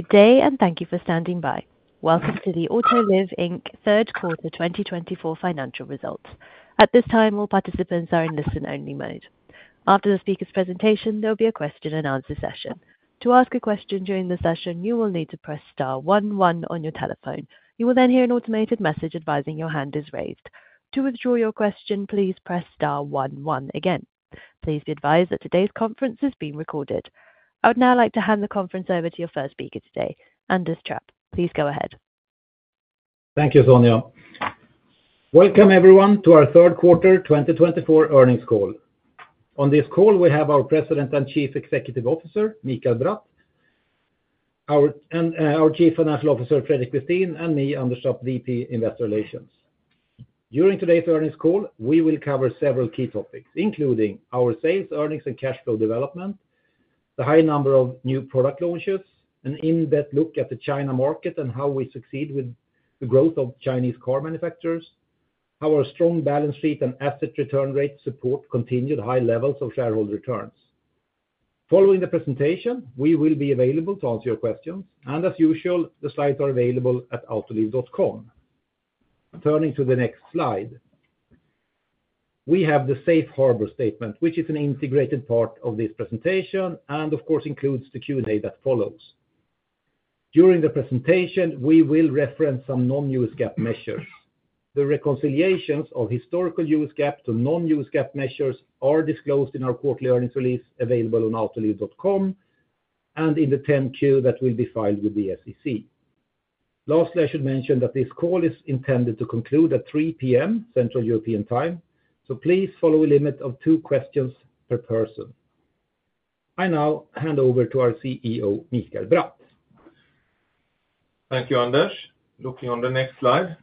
Good day, and thank you for standing by. Welcome to the Autoliv Inc Third Quarter 2024 Financial Results. At this time, all participants are in listen-only mode. After the speaker's presentation, there'll be a question and answer session. To ask a question during the session, you will need to press star one one on your telephone. You will then hear an automated message advising your hand is raised. To withdraw your question, please press star one one again. Please be advised that today's conference is being recorded. I would now like to hand the conference over to your first speaker today, Anders Trapp. Please go ahead. Thank you, Sonia. Welcome everyone to our third quarter twenty twenty-four earnings call. On this call, we have our President and Chief Executive Officer, Mikael Bratt, and our Chief Financial Officer, Fredrik Westin, and me, Anders Trapp, VP, Investor Relations. During today's earnings call, we will cover several key topics, including our sales, earnings, and cash flow development, the high number of new product launches, an in-depth look at the China market and how we succeed with the growth of Chinese car manufacturers, how our strong balance sheet and asset return rates support continued high levels of shareholder returns. Following the presentation, we will be available to answer your questions, and as usual, the slides are available at autoliv.com. Turning to the next slide, we have the safe harbor statement, which is an integrated part of this presentation, and of course, includes the Q&A that follows. During the presentation, we will reference some non-GAAP measures. The reconciliations of historical GAAP to non-GAAP measures are disclosed in our quarterly earnings release, available on autoliv.com and in the 10-Q that will be filed with the SEC. Lastly, I should mention that this call is intended to conclude at 3:00 P.M., Central European Time, so please follow a limit of two questions per person. I now hand over to our CEO, Mikael Bratt. Thank you, Anders. Looking on the next slide.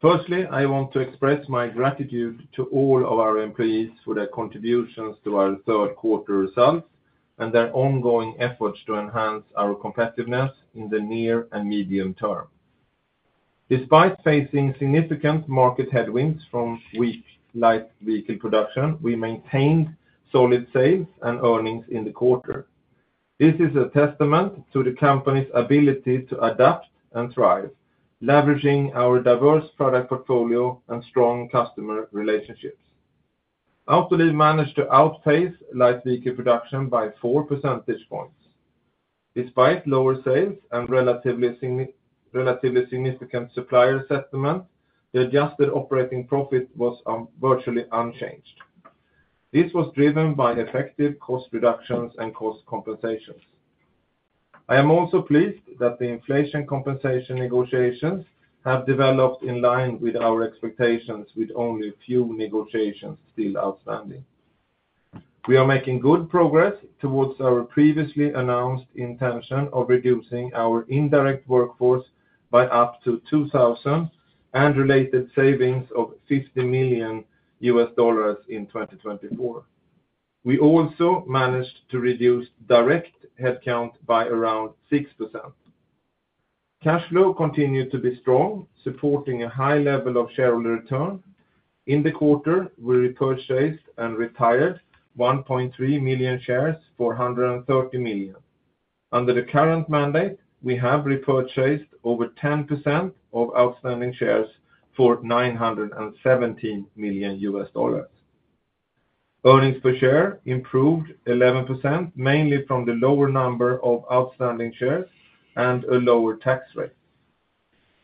Firstly, I want to express my gratitude to all of our employees for their contributions to our third quarter results and their ongoing efforts to enhance our competitiveness in the near and medium term. Despite facing significant market headwinds from weak light vehicle production, we maintained solid sales and earnings in the quarter. This is a testament to the company's ability to adapt and thrive, leveraging our diverse product portfolio and strong customer relationships. Autoliv managed to outpace light vehicle production by four percentage points. Despite lower sales and relatively significant supplier settlement, the adjusted operating profit was virtually unchanged. This was driven by effective cost reductions and cost compensations. I am also pleased that the inflation compensation negotiations have developed in line with our expectations, with only a few negotiations still outstanding. We are making good progress towards our previously announced intention of reducing our indirect workforce by up to 2,000 and related savings of $50 million in 2024. We also managed to reduce direct headcount by around 6%. Cash flow continued to be strong, supporting a high level of shareholder return. In the quarter, we repurchased and retired 1.3 million shares for $130 million. Under the current mandate, we have repurchased over 10% of outstanding shares for $917 million. Earnings per share improved 11%, mainly from the lower number of outstanding shares and a lower tax rate.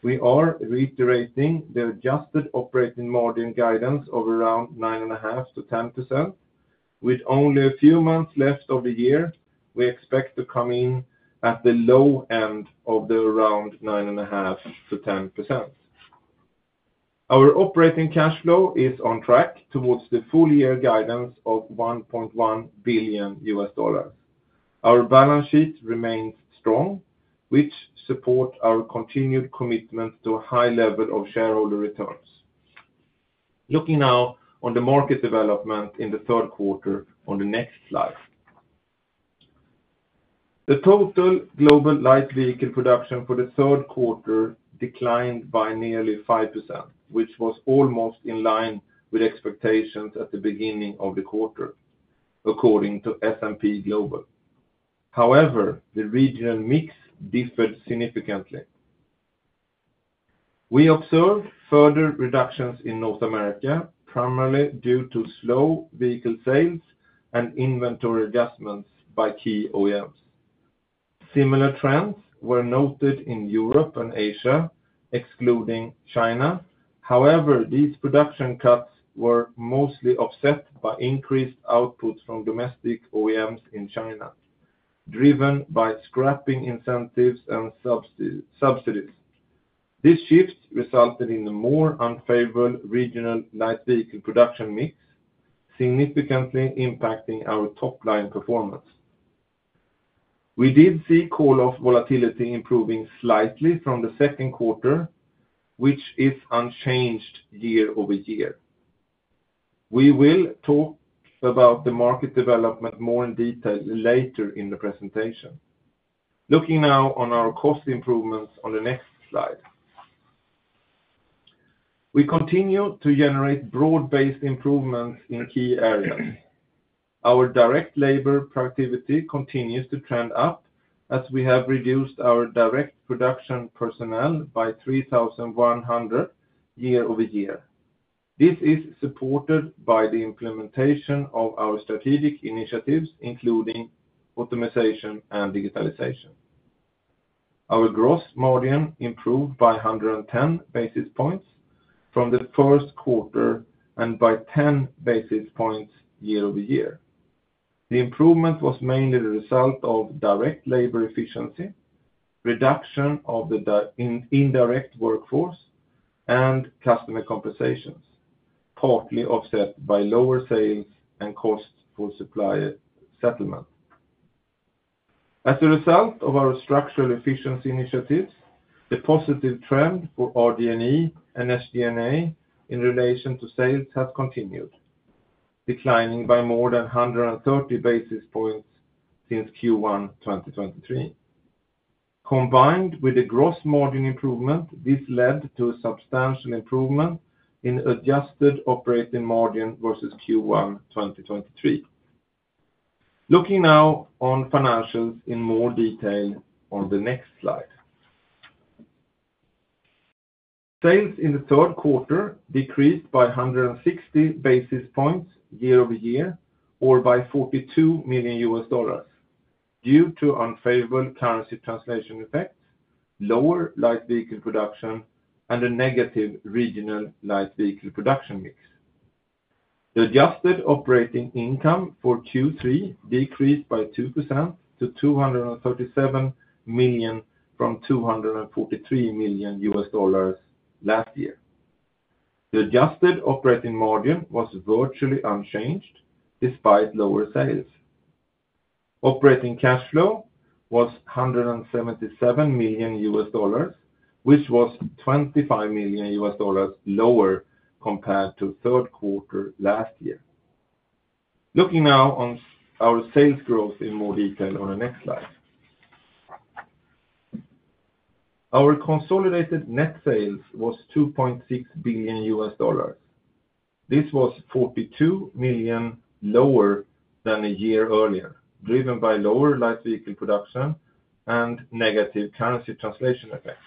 We are reiterating the adjusted operating margin guidance of around 9.5%-10%. With only a few months left of the year, we expect to come in at the low end of the around 9.5%-10%. Our operating cash flow is on track towards the full year guidance of $1.1 billion. Our balance sheet remains strong, which support our continued commitment to a high level of shareholder returns. Looking now on the market development in the third quarter on the next slide. The total global light vehicle production for the third quarter declined by nearly 5%, which was almost in line with expectations at the beginning of the quarter, according to S&P Global. However, the regional mix differed significantly. We observed further reductions in North America, primarily due to slow vehicle sales and inventory adjustments by key OEMs. Similar trends were noted in Europe and Asia, excluding China. However, these production cuts were mostly offset by increased outputs from domestic OEMs in China, driven by scrapping incentives and subsidies. This shift resulted in a more unfavorable regional light vehicle production mix, significantly impacting our top line performance. We did see call-off volatility improving slightly from the second quarter, which is unchanged year-over-year. We will talk about the market development more in detail later in the presentation. Looking now on our cost improvements on the next slide. We continue to generate broad-based improvements in key areas. Our direct labor productivity continues to trend up, as we have reduced our direct production personnel by three thousand one hundred year-over-year. This is supported by the implementation of our strategic initiatives, including optimization and digitalization. Our gross margin improved by a hundred and ten basis points from the first quarter, and by ten basis points year-over-year. The improvement was mainly the result of direct labor efficiency, reduction of the direct and indirect workforce, and customer compensations, partly offset by lower sales and costs for supplier settlement. As a result of our structural efficiency initiatives, the positive trend for RD&E and SG&A in relation to sales has continued, declining by more than 130 basis points since Q1, 2023. Combined with a gross margin improvement, this led to a substantial improvement in adjusted operating margin versus Q1, 2023. Looking now on financials in more detail on the next slide. Sales in the third quarter decreased by 160 basis points year-over-year, or by $42 million, due to unfavorable currency translation effects, lower light vehicle production, and a negative regional light vehicle production mix. The adjusted operating income for Q3 decreased by 2% to $237 million from $243 million last year. The adjusted operating margin was virtually unchanged despite lower sales. Operating cash flow was $177 million, which was $25 million lower compared to third quarter last year. Looking now on our sales growth in more detail on the next slide. Our consolidated net sales was $2.6 billion. This was $42 million lower than a year earlier, driven by lower light vehicle production and negative currency translation effects,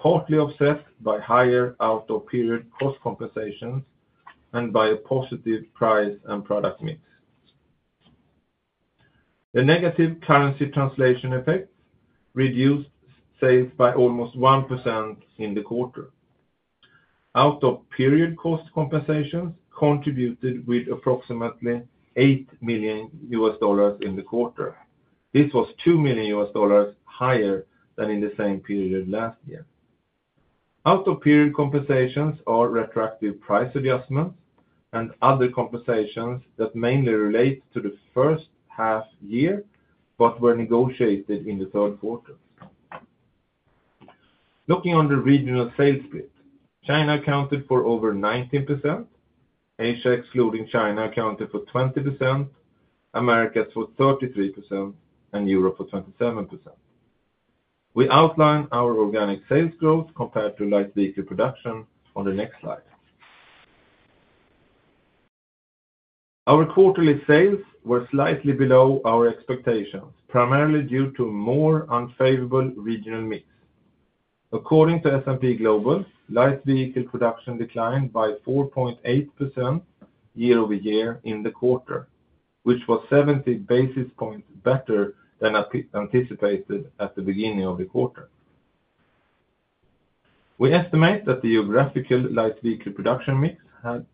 partly offset by higher out-of-period cost compensations and by a positive price and product mix. The negative currency translation effects reduced sales by almost 1% in the quarter. Out-of-period cost compensations contributed with approximately $8 million in the quarter. This was $2 million higher than in the same period last year. Out-of-period compensations are retroactive price adjustments and other compensations that mainly relate to the first half year, but were negotiated in the third quarter. Looking on the regional sales split, China accounted for over 19%, Asia, excluding China, accounted for 20%, Americas for 33%, and Europe for 27%. We outline our organic sales growth compared to light vehicle production on the next slide. Our quarterly sales were slightly below our expectations, primarily due to more unfavorable regional mix. According to S&P Global, light vehicle production declined by 4.8% year-over-year in the quarter, which was 70 basis points better than initially anticipated at the beginning of the quarter. We estimate that the geographical light vehicle production mix had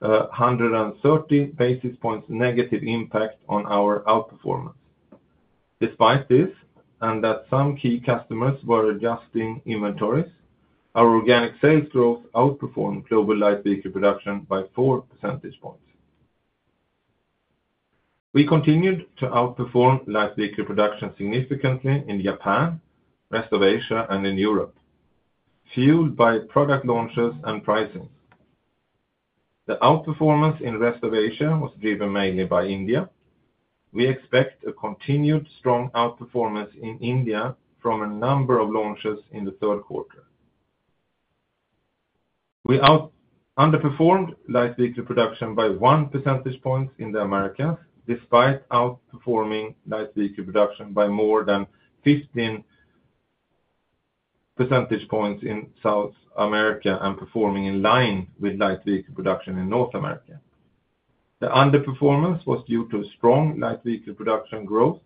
130 basis points negative impact on our outperformance. Despite this, and that some key customers were adjusting inventories, our organic sales growth outperformed global light vehicle production by four percentage points. We continued to outperform light vehicle production significantly in Japan, rest of Asia, and in Europe, fueled by product launches and pricing. The outperformance in rest of Asia was driven mainly by India. We expect a continued strong outperformance in India from a number of launches in the third quarter. We underperformed light vehicle production by one percentage point in the Americas, despite outperforming light vehicle production by more than 15 percentage points in South America and performing in line with light vehicle production in North America. The underperformance was due to strong light vehicle production growth,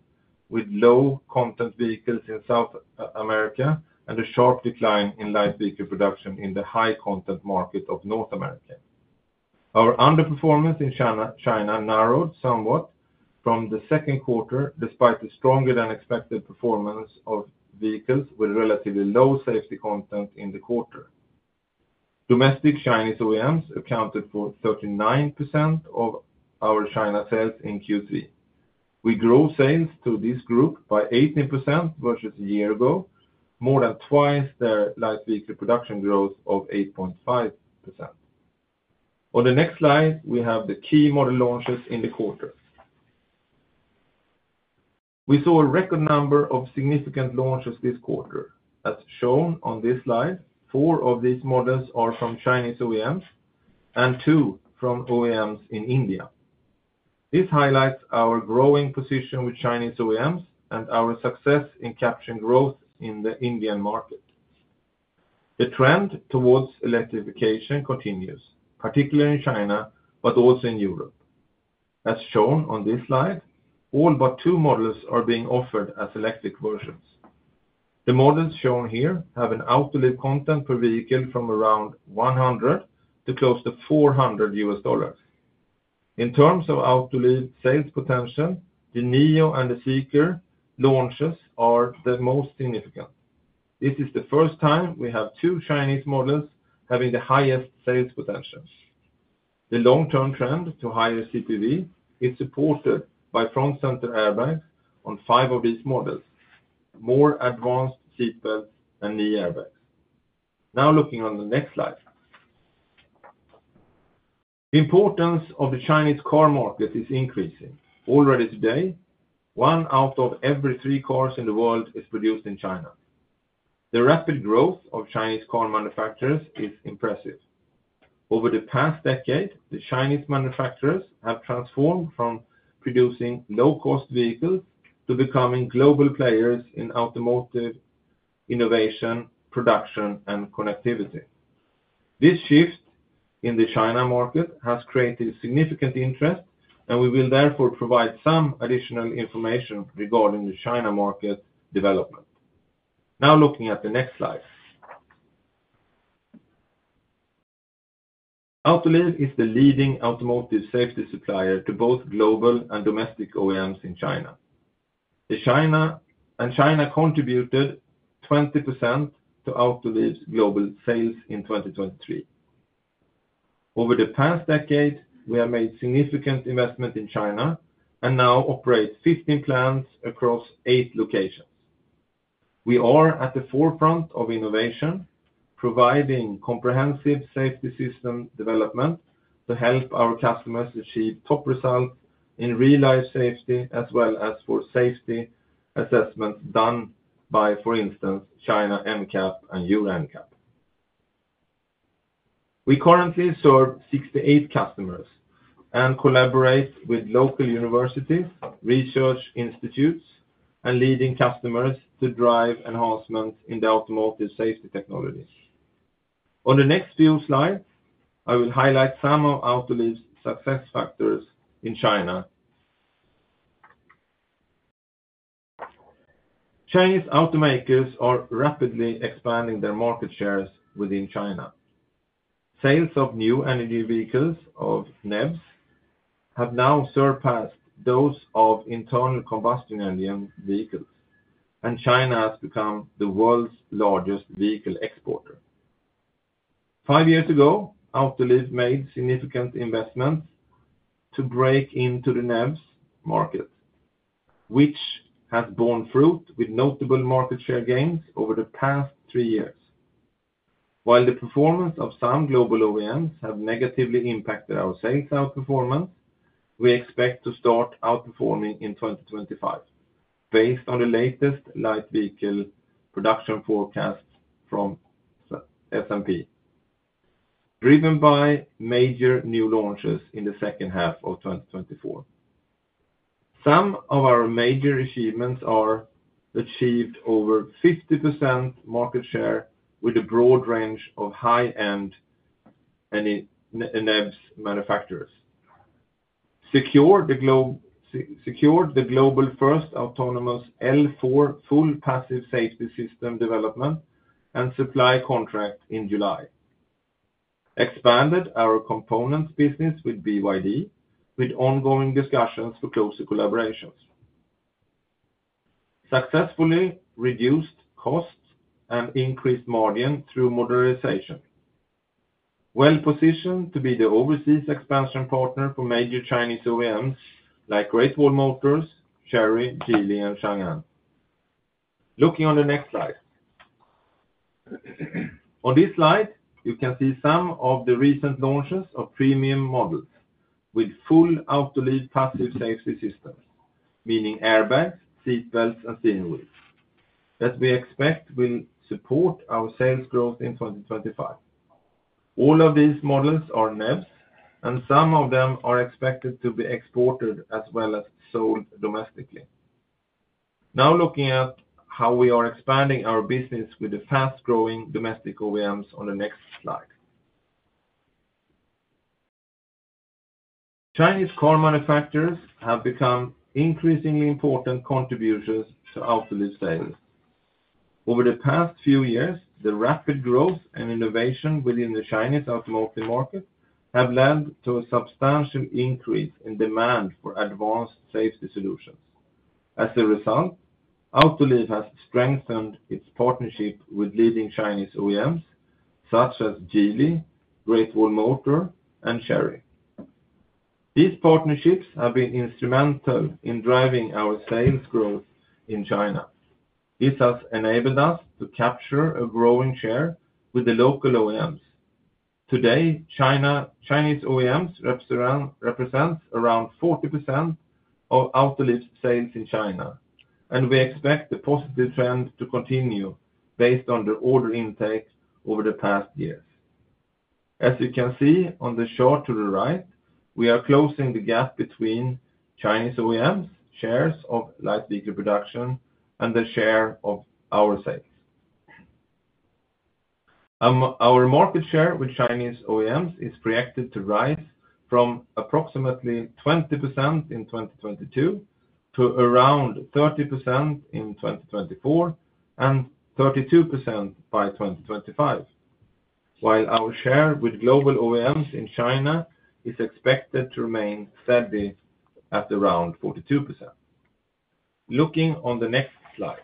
with low content vehicles in South America, and a sharp decline in light vehicle production in the high content market of North America. Our underperformance in China narrowed somewhat from the second quarter, despite a stronger than expected performance of vehicles with relatively low safety content in the quarter. Domestic Chinese OEMs accounted for 39% of our China sales in Q3. We grew sales to this group by 18% versus a year ago, more than twice their light vehicle production growth of 8.5%. On the next slide, we have the key model launches in the quarter. We saw a record number of significant launches this quarter. As shown on this slide, four of these models are from Chinese OEMs, and two from OEMs in India. This highlights our growing position with Chinese OEMs and our success in capturing growth in the Indian market. The trend towards electrification continues, particularly in China, but also in Europe. As shown on this slide, all but two models are being offered as electric versions. The models shown here have an Autoliv content per vehicle from around $100 to close to $400. In terms of Autoliv sales potential, the NIO and the Zeekr launches are the most significant. This is the first time we have two Chinese models having the highest sales potential. The long-term trend to higher CPV is supported by front center airbags on five of these models, more advanced seatbelts and knee airbags. Now looking on the next slide. The importance of the Chinese car market is increasing. Already today, one out of every three cars in the world is produced in China. The rapid growth of Chinese car manufacturers is impressive. Over the past decade, the Chinese manufacturers have transformed from producing low-cost vehicles to becoming global players in automotive innovation, production, and connectivity. This shift in the China market has created significant interest, and we will therefore provide some additional information regarding the China market development. Now looking at the next slide. Autoliv is the leading automotive safety supplier to both global and domestic OEMs in China. And China contributed 20% to Autoliv's global sales in 2023. Over the past decade, we have made significant investment in China and now operate 15 plants across eight locations. We are at the forefront of innovation, providing comprehensive safety system development to help our customers achieve top results in real-life safety, as well as for safety assessments done by, for instance, China NCAP and Euro NCAP. We currently serve 68 customers and collaborate with local universities, research institutes, and leading customers to drive enhancements in the automotive safety technologies. On the next few slides, I will highlight some of Autoliv's success factors in China. Chinese automakers are rapidly expanding their market shares within China. Sales of New Energy Vehicles, of NEVs, have now surpassed those of internal combustion engine vehicles, and China has become the world's largest vehicle exporter. Five years ago, Autoliv made significant investments to break into the NEVs market, which has borne fruit with notable market share gains over the past three years. While the performance of some global OEMs have negatively impacted our sales outperformance, we expect to start outperforming in 2025, based on the latest light vehicle production forecast from S&P, driven by major new launches in the second half of 2024. Some of our major achievements are achieved over 50% market share with a broad range of high-end NEVs manufacturers. Secured the global first autonomous L4 full passive safety system development and supply contract in July. Expanded our components business with BYD, with ongoing discussions for closer collaborations. Successfully reduced costs and increased margin through modernization. Well-positioned to be the overseas expansion partner for major Chinese OEMs like Great Wall Motor, Chery, Geely, and Changan. Looking on the next slide. On this slide, you can see some of the recent launches of premium models with full Autoliv passive safety systems, meaning airbags, seat belts, and steering wheels, that we expect will support our sales growth in 2025. All of these models are NEVs, and some of them are expected to be exported as well as sold domestically. Now looking at how we are expanding our business with the fast-growing domestic OEMs on the next slide. Chinese car manufacturers have become increasingly important contributors to Autoliv sales. Over the past few years, the rapid growth and innovation within the Chinese automotive market have led to a substantial increase in demand for advanced safety solutions. As a result, Autoliv has strengthened its partnership with leading Chinese OEMs, such as Geely, Great Wall Motor, and Chery. These partnerships have been instrumental in driving our sales growth in China. This has enabled us to capture a growing share with the local OEMs.... Today, Chinese OEMs represent around 40% of Autoliv sales in China, and we expect the positive trend to continue based on the order intake over the past years. As you can see on the chart to the right, we are closing the gap between Chinese OEMs, shares of light vehicle production, and the share of our sales. Our market share with Chinese OEMs is projected to rise from approximately 20% in 2022, to around 30% in 2024, and 32% by 2025. While our share with global OEMs in China is expected to remain steady at around 42%. Looking on the next slide.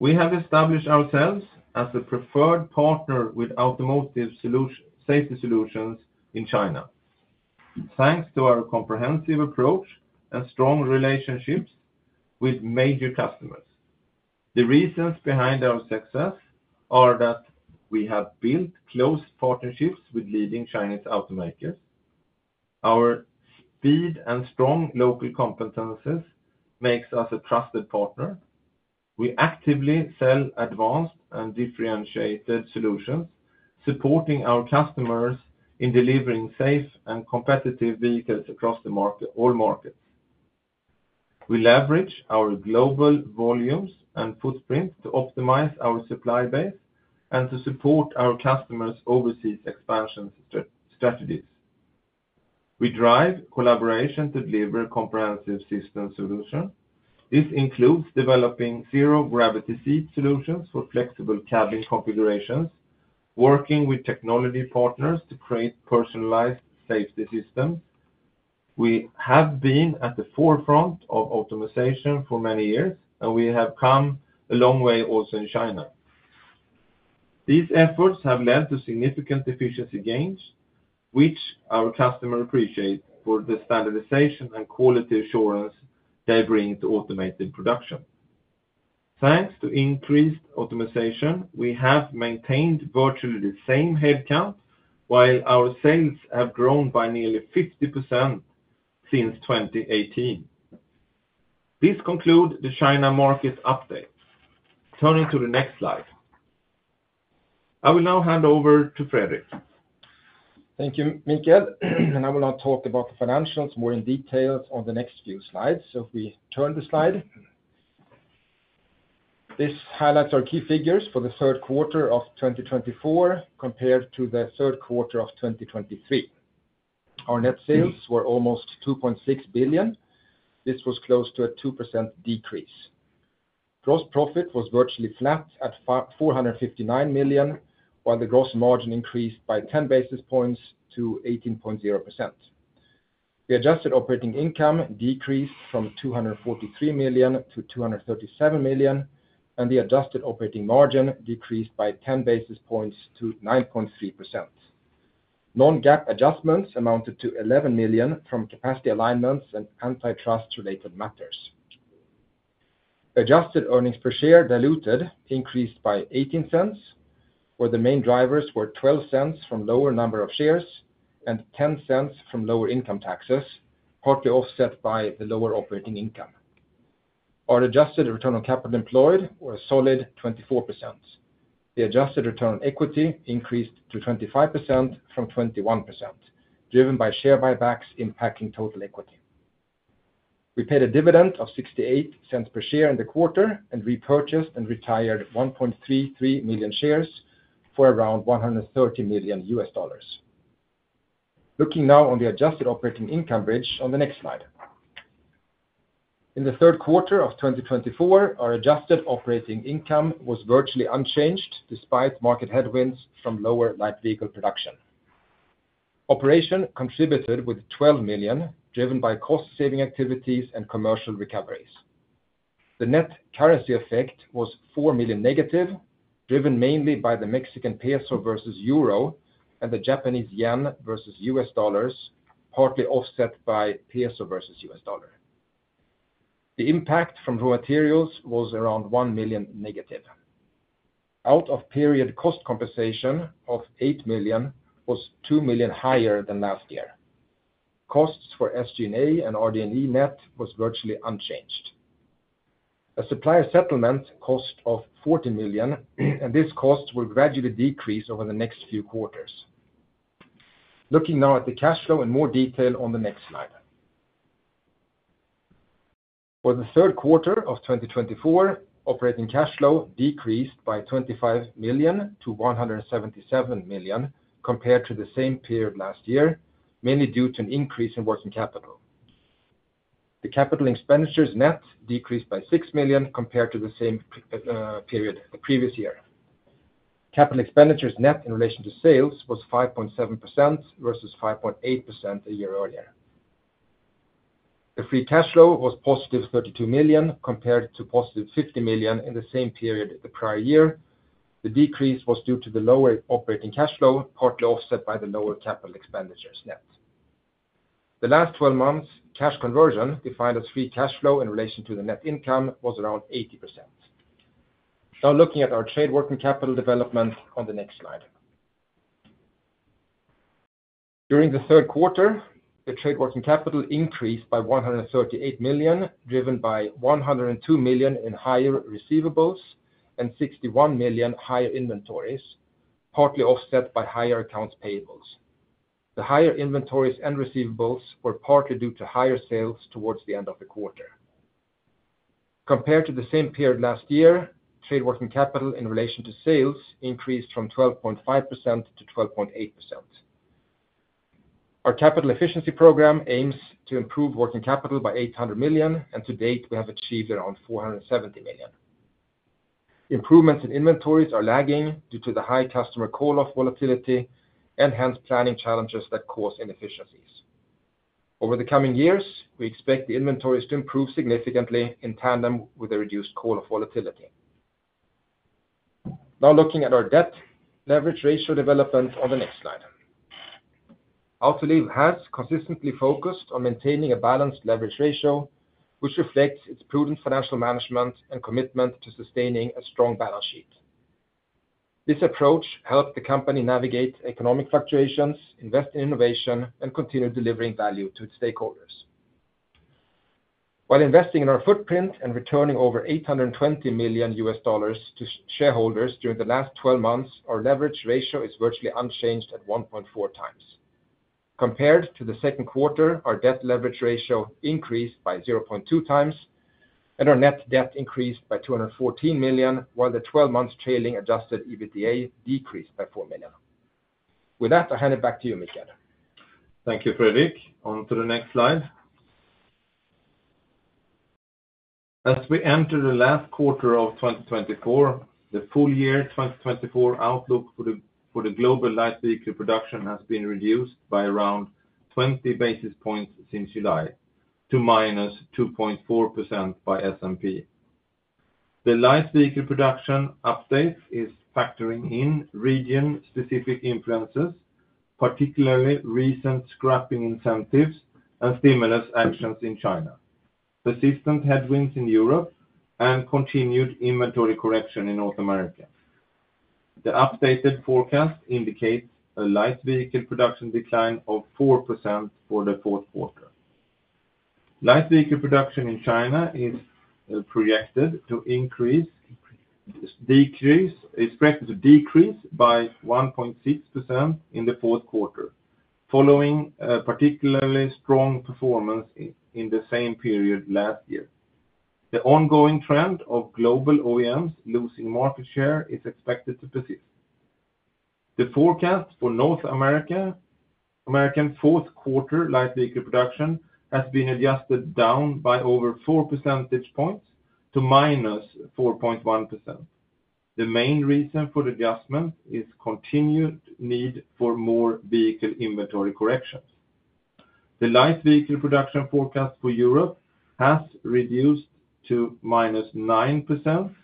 We have established ourselves as a preferred partner with automotive safety solutions in China, thanks to our comprehensive approach and strong relationships with major customers. The reasons behind our success are that we have built close partnerships with leading Chinese automakers. Our speed and strong local competencies makes us a trusted partner. We actively sell advanced and differentiated solutions, supporting our customers in delivering safe and competitive vehicles across the market, all markets. We leverage our global volumes and footprint to optimize our supply base and to support our customers' overseas expansion strategies. We drive collaboration to deliver comprehensive system solution. This includes developing Zero Gravity seat solutions for flexible cabin configurations, working with technology partners to create personalized safety systems. We have been at the forefront of optimization for many years, and we have come a long way also in China. These efforts have led to significant efficiency gains, which our customers appreciate for the standardization and quality assurance they bring to automated production. Thanks to increased optimization, we have maintained virtually the same headcount, while our sales have grown by nearly 50% since 2018. This concludes the China market update. Turning to the next slide. I will now hand over to Fredrik. Thank you, Mikael. I will now talk about the financials more in detail on the next few slides. If we turn the slide. This highlights our key figures for the third quarter of 2024, compared to the third quarter of 2023. Our net sales were almost $2.6 billion. This was close to a 2% decrease. Gross profit was virtually flat at $459 million, while the gross margin increased by ten basis points to 18.0%. The adjusted operating income decreased from $243 million to $237 million, and the adjusted operating margin decreased by ten basis points to 9.3%. Non-GAAP adjustments amounted to $11 million from capacity alignments and antitrust related matters. Adjusted earnings per share diluted increased by $0.18, where the main drivers were $0.12 from lower number of shares, and $0.10 from lower income taxes, partly offset by the lower operating income. Our adjusted return on capital employed were a solid 24%. The adjusted return on equity increased to 25% from 21%, driven by share buybacks impacting total equity. We paid a dividend of $0.68 per share in the quarter, and repurchased and retired 1.33 million shares for around $130 million. Looking now on the adjusted operating income bridge on the next slide. In the third quarter of 2024, our adjusted operating income was virtually unchanged, despite market headwinds from lower light vehicle production. Operation contributed with $12 million, driven by cost saving activities and commercial recoveries. The net currency effect was $4 million negative, driven mainly by the Mexican peso versus euro, and the Japanese yen versus U.S. dollars, partly offset by peso versus U.S. dollar. The impact from raw materials was around $1 million negative. Out-of-period cost compensation of $8 million was $2 million higher than last year. Costs for SG&A and RD&E net was virtually unchanged. A supplier settlement cost of $40 million, and this cost will gradually decrease over the next few quarters. Looking now at the cash flow in more detail on the next slide. For the third quarter of 2024, operating cash flow decreased by $25 million to $177 million compared to the same period last year, mainly due to an increase in working capital. The capital expenditures net decreased by $6 million compared to the same period the previous year. Capital expenditures net in relation to sales was 5.7% versus 5.8% a year earlier. The free cash flow was positive $32 million, compared to positive $50 million in the same period the prior year. The decrease was due to the lower operating cash flow, partly offset by the lower capital expenditures net. The last 12 months, cash conversion, defined as free cash flow in relation to the net income, was around 80%. Now looking at our trade working capital development on the next slide. During the third quarter, the trade working capital increased by $138 million, driven by $102 million in higher receivables and $61 million higher inventories, partly offset by higher accounts payables. The higher inventories and receivables were partly due to higher sales towards the end of the quarter. Compared to the same period last year, trade working capital in relation to sales increased from 12.5% to 12.8%. Our capital efficiency program aims to improve working capital by 800 million, and to date, we have achieved around 470 million. Improvements in inventories are lagging due to the high customer call-off volatility and hence, planning challenges that cause inefficiencies. Over the coming years, we expect the inventories to improve significantly in tandem with the reduced call-off volatility. Now looking at our debt leverage ratio development on the next slide. Autoliv has consistently focused on maintaining a balanced leverage ratio, which reflects its prudent financial management and commitment to sustaining a strong balance sheet. This approach helped the company navigate economic fluctuations, invest in innovation, and continue delivering value to its stakeholders. While investing in our footprint and returning over $820 million to shareholders during the last twelve months, our leverage ratio is virtually unchanged at 1.4 times. Compared to the second quarter, our debt leverage ratio increased by 0.2 times, and our net debt increased by $214 million, while the twelve-month trailing Adjusted EBITDA decreased by $4 million. With that, I'll hand it back to you, Mikael. Thank you, Fredrik. On to the next slide. As we enter the last quarter of 2024, the full year twenty twenty-four outlook for the global light vehicle production has been reduced by around twenty basis points since July, to minus 2.4% by S&P. The light vehicle production update is factoring in region-specific influences, particularly recent scrapping incentives and stimulus actions in China, persistent headwinds in Europe, and continued inventory correction in North America. The updated forecast indicates a light vehicle production decline of 4% for the fourth quarter. Light vehicle production in China is expected to decrease by 1.6% in the fourth quarter, following a particularly strong performance in the same period last year. The ongoing trend of global OEMs losing market share is expected to persist. The forecast for North American fourth quarter light vehicle production has been adjusted down by over four percentage points to minus 4.1%. The main reason for the adjustment is continued need for more vehicle inventory corrections. The light vehicle production forecast for Europe has reduced to minus 9%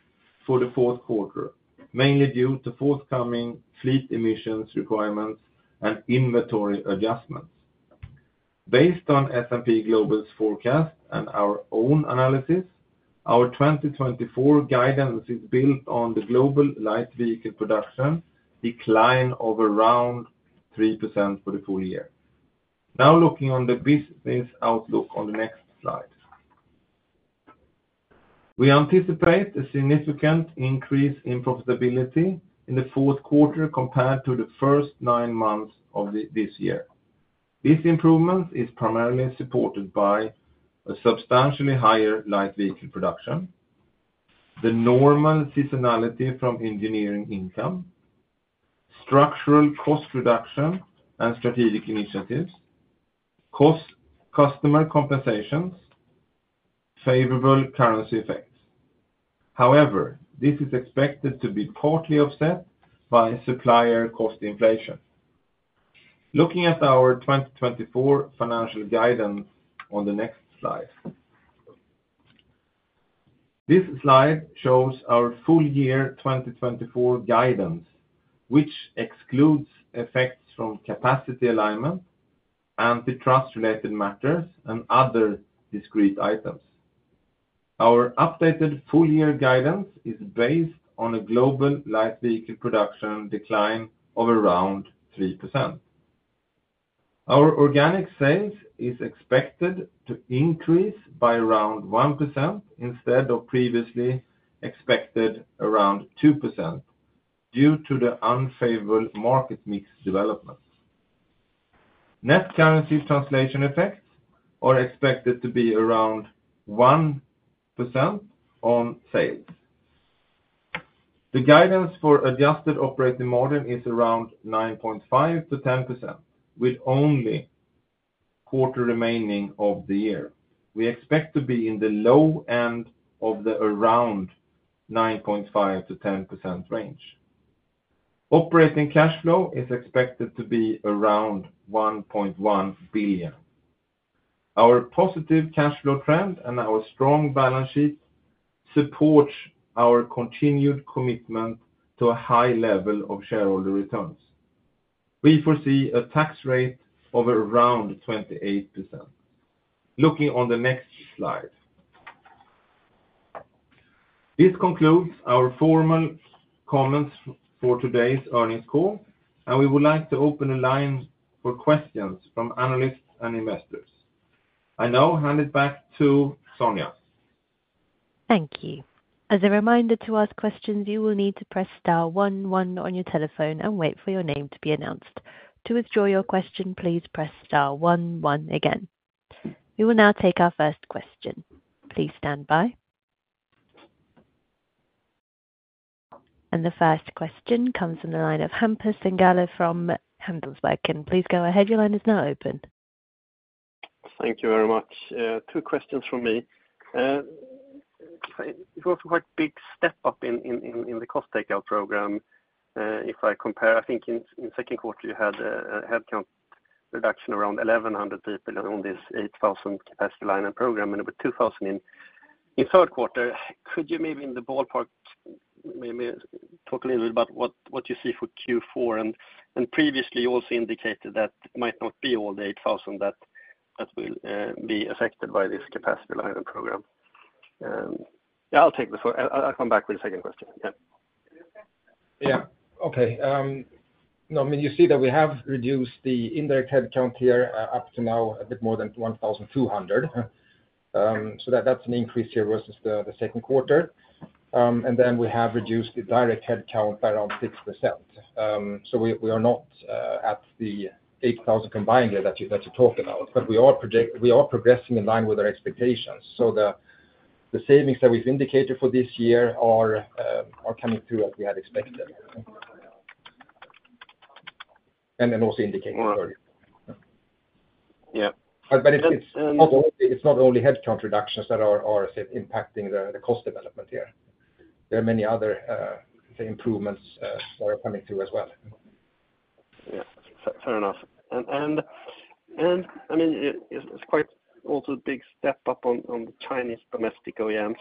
for the fourth quarter, mainly due to forthcoming fleet emissions requirements and inventory adjustments. Based on S&P Global's forecast and our own analysis, our 2024 guidance is built on the global light vehicle production decline of around 3% for the full year. Now, looking on the business outlook on the next slide. We anticipate a significant increase in profitability in the fourth quarter compared to the first nine months of this year. This improvement is primarily supported by a substantially higher light vehicle production, the normal seasonality from engineering income, structural cost reduction and strategic initiatives, cost-customer compensations, favorable currency effects. However, this is expected to be partly offset by supplier cost inflation. Looking at our 2024 financial guidance on the next slide. This slide shows our full year 2024 guidance, which excludes effects from capacity alignment, antitrust related matters, and other discrete items. Our updated full year guidance is based on a global light vehicle production decline of around 3%. Our organic sales is expected to increase by around 1%, instead of previously expected around 2%, due to the unfavorable market mix development. Net currency translation effects are expected to be around 1% on sales. The guidance for adjusted operating margin is around 9.5%-10%, with only one quarter remaining of the year. We expect to be in the low end of the around 9.5%-10% range. Operating cash flow is expected to be around $1.1 billion. Our positive cash flow trend and our strong balance sheet.supports our continued commitment to a high level of shareholder returns. We foresee a tax rate of around 28%. Looking on the next slide. This concludes our formal comments for today's earnings call, and we would like to open the lines for questions from analysts and investors. I now hand it back to Sonia. Thank you. As a reminder, to ask questions, you will need to press star one one on your telephone and wait for your name to be announced. To withdraw your question, please press star one one again. We will now take our first question. Please stand by, and the first question comes from the line of Hampus Engellau from Handelsbanken. Please go ahead. Your line is now open. Thank you very much. Two questions from me. It was a quite big step up in the cost takeout program. If I compare, I think in second quarter, you had a headcount reduction around eleven hundred people on this eight thousand capacity lineup program, and it was two thousand in third quarter. Could you maybe in the ballpark, maybe talk a little bit about what you see for Q4? And previously, you also indicated that might not be all the eight thousand that will be affected by this capacity lineup program. Yeah, I'll take the first. I'll come back with a second question. Yeah. Okay, no, I mean, you see that we have reduced the indirect headcount here, up to now, a bit more than one thousand two hundred. So that, that's an increase here versus the second quarter. And then we have reduced the direct headcount by around 6%. So we are not at the eight thousand combined here that you're talking about, but we are progressing in line with our expectations. So the savings that we've indicated for this year are coming through as we had expected. And then also indicating earlier. Yeah. But it's not only headcount reductions that are impacting the cost development here. There are many other improvements that are coming through as well. Yeah, fair enough. And, I mean, it's quite also a big step up on the Chinese domestic OEMs.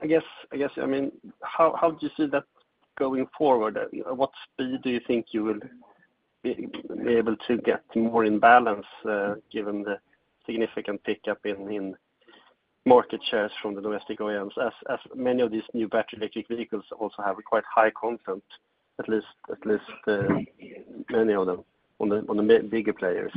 I guess, I mean, how do you see that going forward? At what speed do you think you will be able to get more in balance, given the significant pickup in market shares from the domestic OEMs, as many of these new battery electric vehicles also have quite high content, at least, many of them, on the bigger players?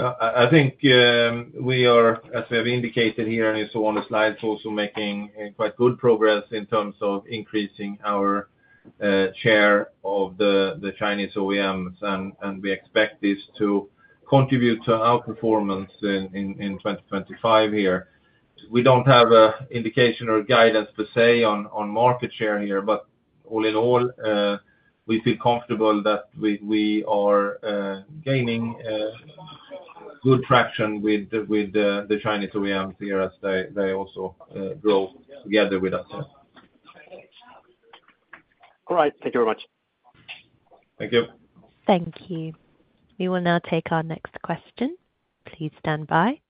I think we are, as we have indicated here and so on the slides, also making quite good progress in terms of increasing our share of the Chinese OEMs, and we expect this to contribute to our performance in 2025. We don't have a indication or guidance per se on market share here, but all in all, we feel comfortable that we are gaining good traction with the Chinese OEMs here as they also grow together with us. All right. Thank you very much. Thank you. Thank you. We will now take our next question. Please stand by.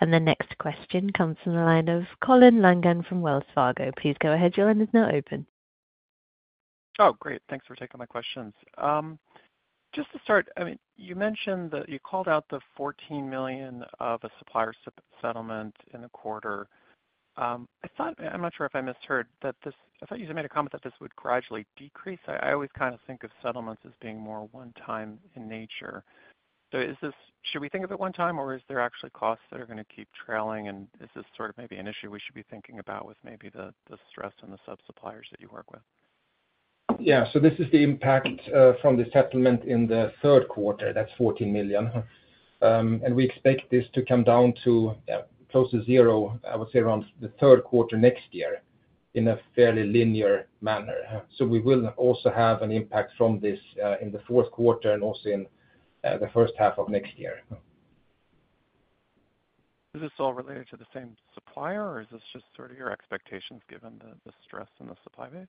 And the next question comes from the line of Colin Langan from Wells Fargo. Please go ahead. Your line is now open. Oh, great. Thanks for taking my questions. Just to start, I mean, you mentioned that you called out the $14 million of a supplier settlement in the quarter. I thought, I'm not sure if I misheard, that this... I thought you had made a comment that this would gradually decrease. I always kind of think of settlements as being more one time in nature. So is this, should we think of it one time, or is there actually costs that are going to keep trailing? And is this sort of maybe an issue we should be thinking about with maybe the stress on the sub-suppliers that you work with? Yeah, so this is the impact from the settlement in the third quarter. That's $14 million, and we expect this to come down to close to zero, I would say, around the third quarter next year, in a fairly linear manner, so we will also have an impact from this in the fourth quarter and also in the first half of next year. Is this all related to the same supplier, or is this just sort of your expectations given the stress in the supply base?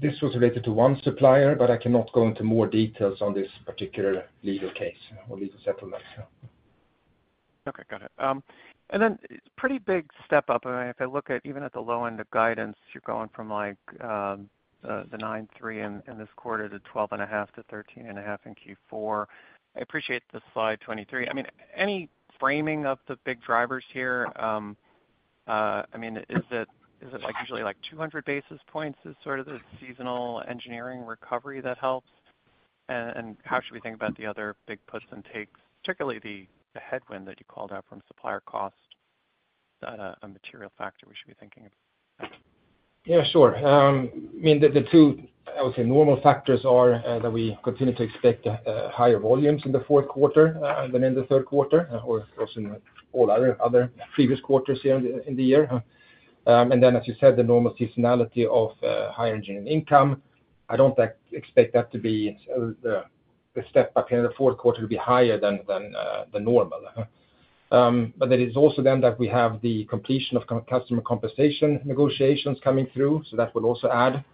This was related to one supplier, but I cannot go into more details on this particular legal case or legal settlement. Okay, got it. And then it's pretty big step up, I mean, if I look at, even at the low end of guidance, you're going from like, the 9.3 in, in this quarter to 12.5-13.5 in Q4. I appreciate the slide 23. I mean, any framing of the big drivers here? I mean, is it, is it like usually, like, 200 basis points is sort of the seasonal engineering recovery that helps? And, and how should we think about the other big puts and takes, particularly the, the headwind that you called out from supplier cost, a material factor we should be thinking of? Yeah, sure. I mean, the two, I would say, normal factors are that we continue to expect higher volumes in the fourth quarter than in the third quarter, or also in all other previous quarters here in the year. And then, as you said, the normal seasonality of higher engineering income, I don't expect that to be the step up in the fourth quarter will be higher than the normal. But it is also then that we have the completion of customer compensation negotiations coming through, so that will also add,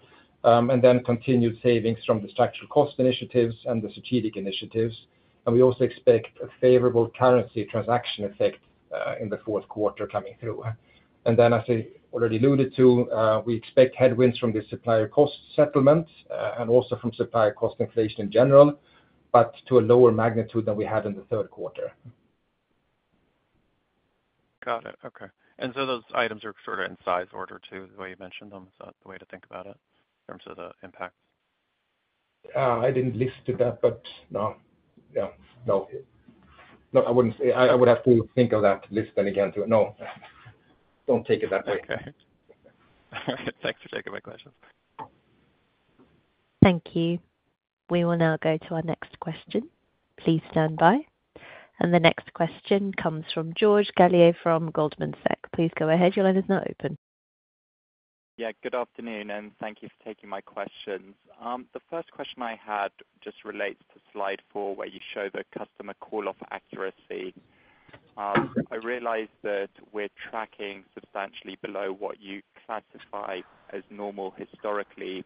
and then continued savings from the structural cost initiatives and the strategic initiatives. And we also expect a favorable currency transaction effect in the fourth quarter coming through. And then, as I already alluded to, we expect headwinds from the supplier cost settlement, and also from supplier cost inflation in general, but to a lower magnitude than we had in the third quarter. Got it. Okay, and so those items are sort of in size order, too, the way you mentioned them? Is that the way to think about it in terms of the impact? I didn't listen to that, but no. Yeah, no. No, I wouldn't say... I would have to think of that list then again to-- No, don't take it that way. Okay. Thanks for taking my questions. Thank you. We will now go to our next question. Please stand by, and the next question comes from George Gallier from Goldman Sachs. Please go ahead. Your line is now open. Yeah, good afternoon, and thank you for taking my questions. The first question I had just relates to slide four, where you show the customer call-off accuracy. I realize that we're tracking substantially below what you classify as normal historically,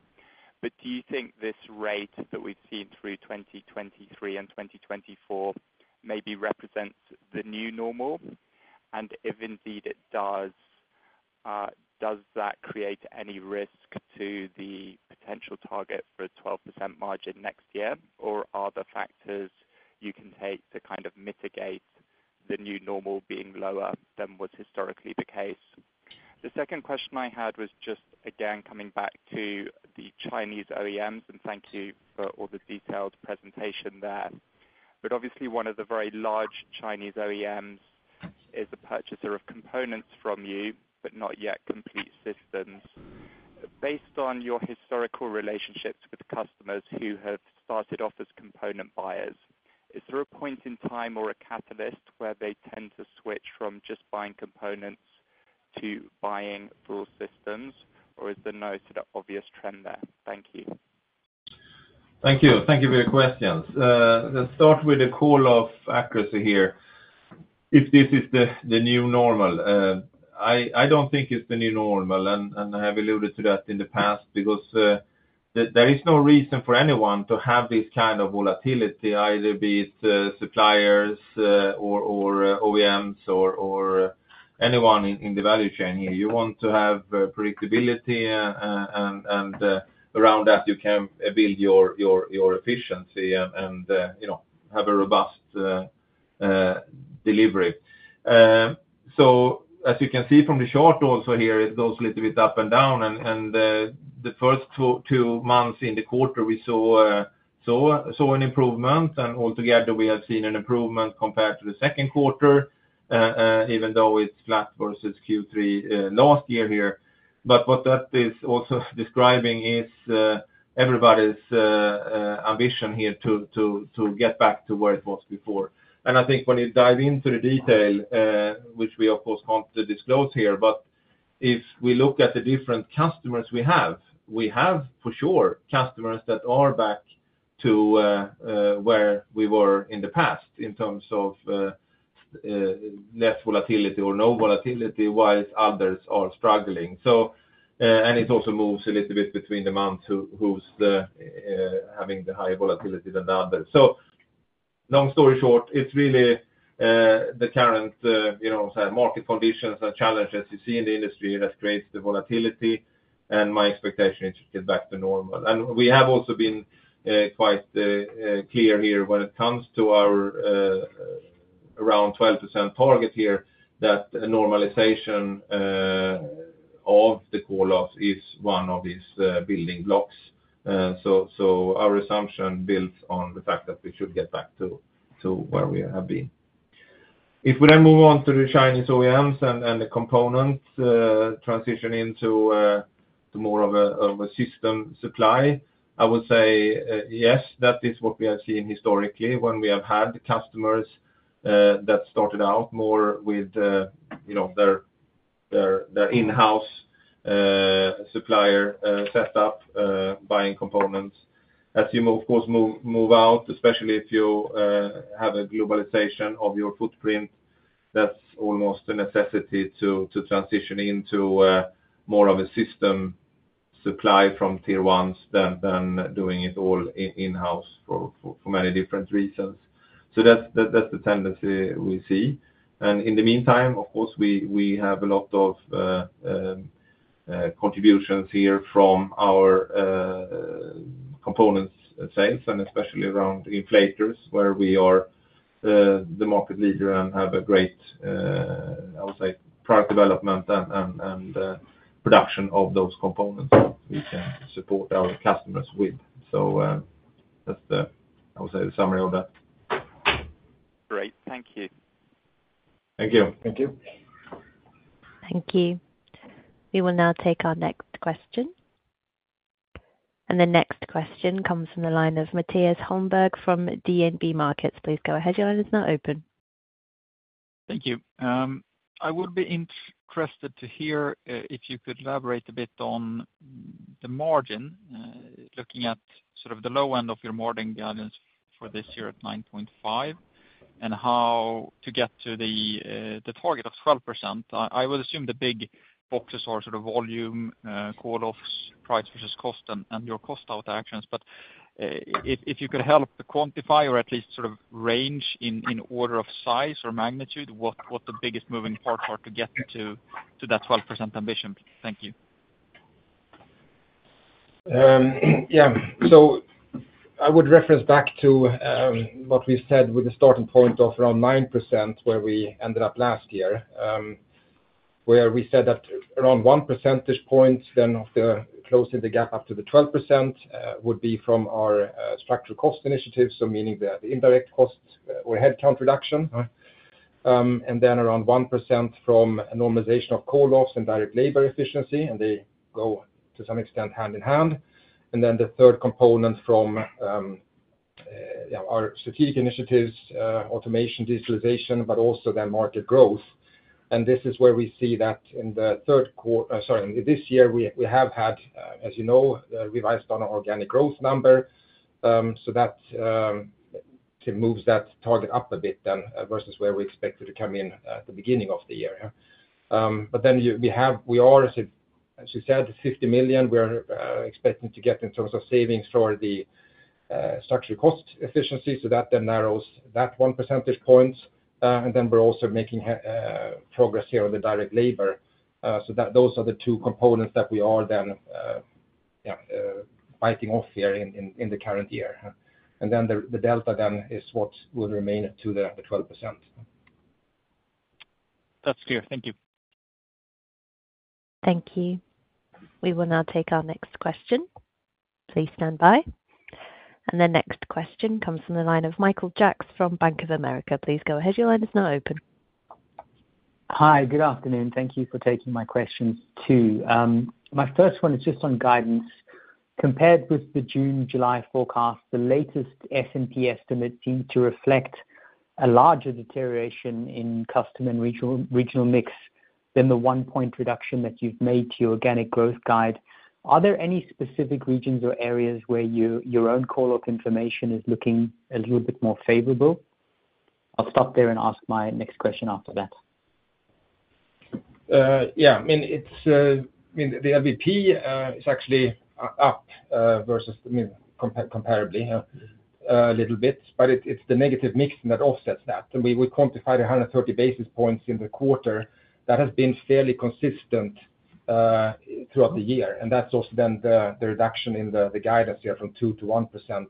but do you think this rate that we've seen through 2023 and 2024 maybe represents the new normal? And if indeed it does, does that create any risk to the potential target for a 12% margin next year, or are there factors you can take to kind of mitigate the new normal being lower than what's historically the case? The second question I had was just, again, coming back to the Chinese OEMs, and thank you for all the detailed presentation there. But obviously, one of the very large Chinese OEMs is a purchaser of components from you, but not yet complete systems. Based on your historical relationships with customers who have started off as component buyers, is there a point in time or a catalyst where they tend to switch from just buying components to buying full systems, or is there no sort of obvious trend there? Thank you. Thank you. Thank you for your questions. Let's start with the call-off accuracy here. If this is the new normal, I don't think it's the new normal, and I have alluded to that in the past, because there is no reason for anyone to have this kind of volatility, either be it suppliers or OEMs or anyone in the value chain here. You want to have predictability and around that you can build your efficiency and you know, have a robust delivery. So as you can see from the chart also here, it goes a little bit up and down, and the first two months in the quarter, we saw an improvement, and altogether we have seen an improvement compared to the second quarter, even though it's flat versus Q3 last year here, but what that is also describing is everybody's ambition here to get back to where it was before, and I think when you dive into the detail, which we, of course, can't disclose here, but if we look at the different customers we have, for sure, customers that are back to where we were in the past in terms of less volatility or no volatility, whilst others are struggling. So, and it also moves a little bit between the months, who's having the higher volatility than the other. So long story short, it's really the current, you know, say, market conditions and challenges you see in the industry that creates the volatility, and my expectation is to get back to normal. And we have also been quite clear here when it comes to our around 12% target here, that a normalization of the call-offs is one of these building blocks. So our assumption builds on the fact that we should get back to where we have been. If we then move on to the Chinese OEMs and the components transition into more of a system supply, I would say yes, that is what we have seen historically when we have had customers that started out more with you know their in-house supplier set up buying components. As you of course move out, especially if you have a globalization of your footprint, that's almost a necessity to transition into more of a system supply from Tier 1 than doing it all in-house for many different reasons. So that's the tendency we see. And in the meantime, of course, we have a lot of contributions here from our components sales, and especially around inflators, where we are the market leader and have a great, I would say, product development and production of those components we can support our customers with. So, that's the, I would say, the summary of that. Great. Thank you. Thank you. Thank you. Thank you. We will now take our next question. And the next question comes from the line of Mattias Holmberg from DNB Markets. Please go ahead. Your line is now open. Thank you. I would be interested to hear if you could elaborate a bit on the margin, looking at sort of the low end of your margin guidance for this year at 9.5%. and how to get to the target of 12%. I would assume the big boxes are sort of volume call-offs, price versus cost, and your cost out actions. But if you could help quantify or at least sort of range in order of size or magnitude what the biggest moving parts are to get to that 12% ambition? Thank you. Yeah. So I would reference back to what we said with the starting point of around 9%, where we ended up last year. Where we said that around one percentage point then of closing the gap up to the 12%, would be from our structural cost initiatives, so meaning the indirect costs or headcount reduction. And then around 1% from a normalization of call-offs and direct labor efficiency, and they go, to some extent, hand in hand. And then the third component from yeah, our strategic initiatives, automation, digitalization, but also then market growth. And this is where we see that in the third quar- sorry, this year, we have had, as you know, revised on our organic growth number. So that moves that target up a bit then versus where we expected to come in at the beginning of the year. But then, as you said, $50 million, we're expecting to get in terms of savings for the structural cost efficiency, so that then narrows that one percentage point. And then we're also making progress here on the direct labor, so that those are the two components that we are then biting off here in the current year. And then the delta then is what will remain to the 12%. That's clear. Thank you. Thank you. We will now take our next question. Please stand by. And the next question comes from the line of Michael Jacks from Bank of America. Please go ahead. Your line is now open. Hi, good afternoon. Thank you for taking my questions, too. My first one is just on guidance. Compared with the June, July forecast, the latest S&P estimate seem to reflect a larger deterioration in customer and regional mix than the one-point reduction that you've made to your organic growth guide. Are there any specific regions or areas where your own call-off information is looking a little bit more favorable? I'll stop there and ask my next question after that. Yeah, I mean, it's, I mean, the LVP is actually up versus, I mean, comparably, a little bit. But it's the negative mix that offsets that, and we would quantify the 130 basis points in the quarter that has been fairly consistent throughout the year, and that's also then the reduction in the guidance here from 2% to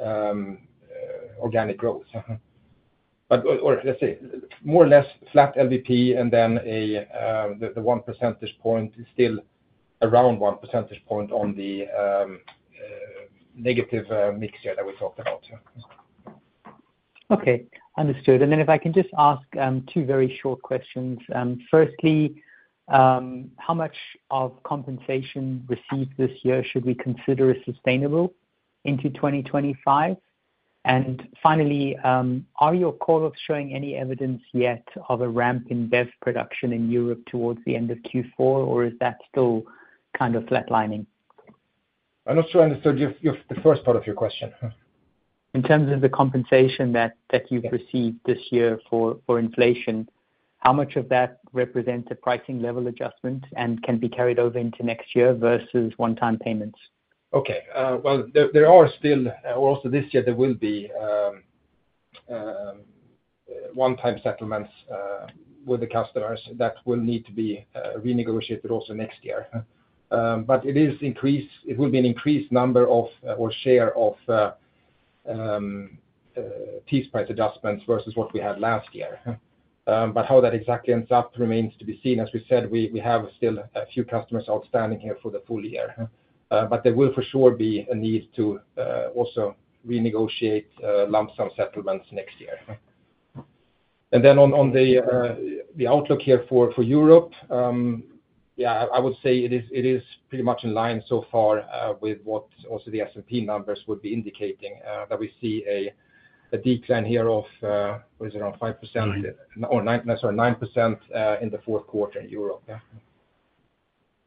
1% organic growth. Uh-huh. But or, let's say, more or less flat LVP, and then the one percentage point is still around one percentage point on the negative mix here that we talked about, yeah. Okay, understood. And then if I can just ask, two very short questions. Firstly, how much of compensation received this year should we consider sustainable into 2025? And finally, are your call-offs showing any evidence yet of a ramp in BEV production in Europe towards the end of Q4, or is that still kind of flatlining? I'm not sure I understood the first part of your question, yeah. In terms of the compensation that you've received this year for inflation, how much of that represents a pricing level adjustment and can be carried over into next year versus one-time payments? Okay. Well, there are still also this year there will be one-time settlements with the customers that will need to be renegotiated also next year. But it is increased, it will be an increased number of, or share of, piece price adjustments versus what we had last year, yeah. But how that exactly ends up remains to be seen. As we said, we have still a few customers outstanding here for the full year, yeah. But there will for sure be a need to also renegotiate lump sum settlements next year. And then on the outlook here for Europe, yeah, I would say it is pretty much in line so far with what also the S&P numbers would be indicating, that we see a decline here of what is around 5%. Nine. Or nine, sorry, 9% in the fourth quarter in Europe.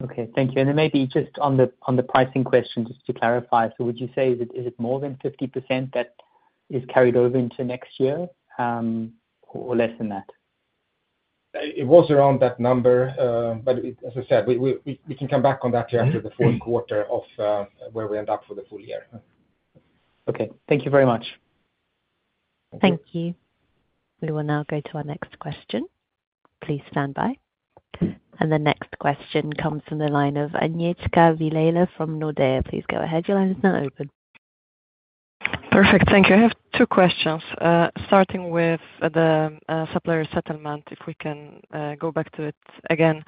Okay, thank you. And then maybe just on the pricing question, just to clarify, so would you say, is it more than 50% that is carried over into next year, or less than that? It was around that number, but as I said, we can come back on that after the fourth quarter of where we end up for the full year. Okay. Thank you very much. Thank you. Thank you. We will now go to our next question. Please stand by. And the next question comes from the line of Agnieszka Vilela from Nordea. Please go ahead. Your line is now open. Perfect. Thank you. I have two questions, starting with the supplier settlement, if we can go back to it again.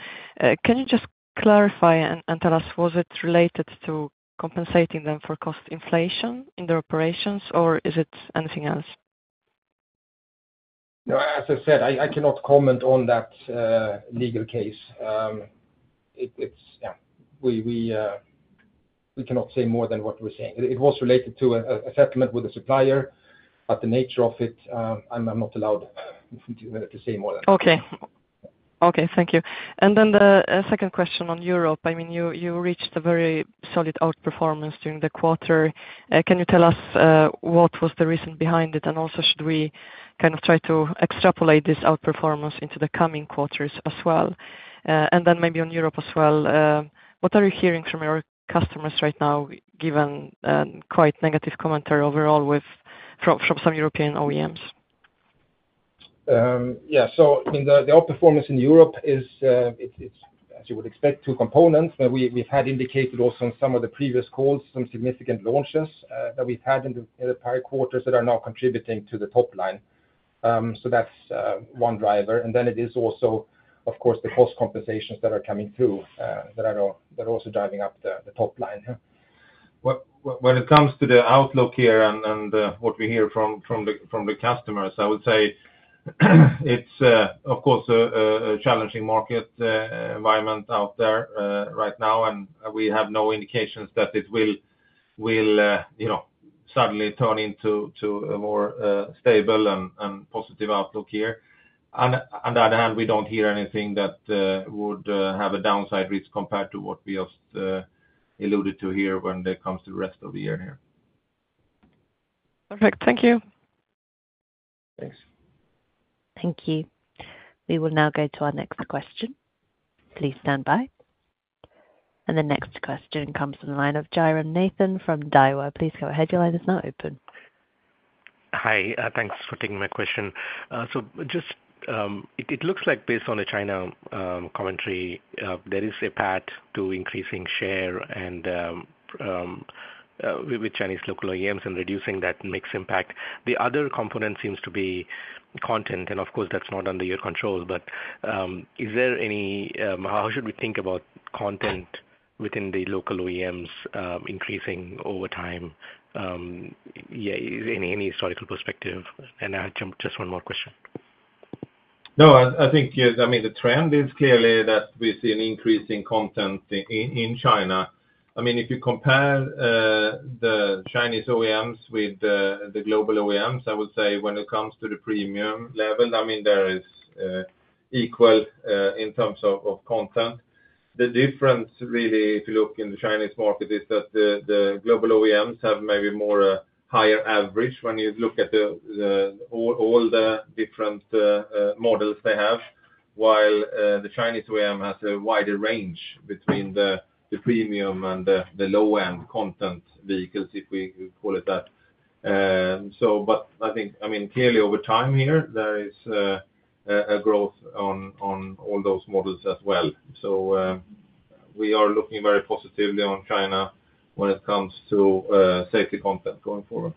Can you just clarify and tell us, was it related to compensating them for cost inflation in their operations, or is it anything else? No, as I said, I cannot comment on that legal case. It's, yeah, we cannot say more than what we're saying. It was related to a settlement with the supplier, but the nature of it, I'm not allowed to say ore than that. Okay Okay, thank you. And then the second question on Europe. I mean, you, you reached a very solid outperformance during the quarter. Can you tell us what was the reason behind it? And also, should we kind of try to extrapolate this outperformance into the coming quarters as well? And then maybe on Europe as well, what are you hearing from your customers right now, given quite negative commentary overall from some European OEMs? Yeah, so in the outperformance in Europe is, as you would expect, two components, but we've had indicated also in some of the previous calls, some significant launches that we've had in the prior quarters that are now contributing to the top line, so that's one driver, and then it is also, of course, the cost compensations that are coming through that are also driving up the top line. When it comes to the outlook here and what we hear from the customers, I would say it's of course a challenging market environment out there right now. And we have no indications that it will you know suddenly turn into a more stable and positive outlook here. On the other hand, we don't hear anything that would have a downside risk compared to what we just alluded to here when it comes to the rest of the year here. Perfect. Thank you. Thanks. Thank you. We will now go to our next question. Please stand by, and the next question comes from the line of Jairam Nathan from Daiwa. Please go ahead, your line is now open. Hi, thanks for taking my question. So just, it looks like based on the China commentary, there is a path to increasing share and with Chinese local OEMs and reducing that mix impact. The other component seems to be content, and of course, that's not under your control. But, is there any... How should we think about content within the local OEMs increasing over time, yeah, any historical perspective? And I have just one more question. No, I think, yes, I mean, the trend is clearly that we see an increase in content in China. I mean, if you compare the Chinese OEMs with the global OEMs, I would say when it comes to the premium level, I mean, there is equal in terms of content. The difference really, if you look in the Chinese market, is that the global OEMs have maybe more higher average when you look at all the different models they have. While the Chinese OEM has a wider range between the premium and the low-end content vehicles, if we could call it that. So but I think, I mean, clearly, over time here, there is a growth on all those models as well. We are looking very positively on China when it comes to safety content going forward.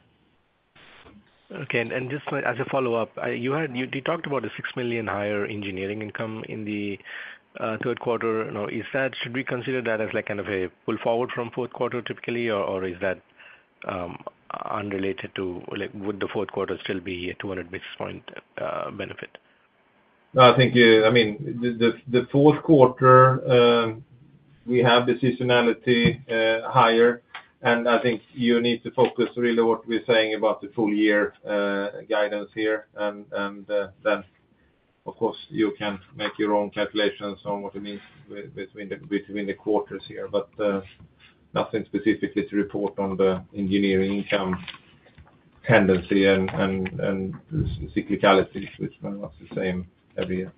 Okay. And just as a follow-up, you had—you talked about the six million higher engineering income in the third quarter. Now, is that—should we consider that as, like, kind of a pull forward from fourth quarter typically, or is that unrelated to, like, would the fourth quarter still be a 200 basis point benefit? I think, yeah, I mean, the fourth quarter, we have the seasonality higher, and I think you need to focus really on what we're saying about the full year guidance here. Then, of course, you can make your own calculations on what it means between the quarters here, but nothing specifically to report on the engineering income tendency and cyclicalities, which are not the same every year.